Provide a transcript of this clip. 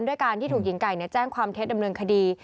ด้วยการที่ถูกหญิงไก่แจ้งความเท็จดำเนินคดี